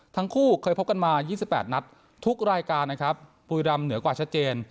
ทั้งคู่เคยพบกันมา๒๘นัดทุกรายการนะครับบุรีรำเหนือกว่าชัดเจน